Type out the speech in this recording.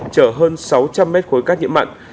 chở hơn sáu trăm linh mét khối cát nhiễm mặn